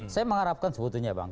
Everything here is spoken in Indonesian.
saya mengharapkan sebetulnya bang